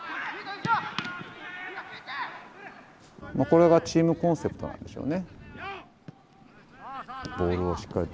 これがチームコンセプトなんでしょうね。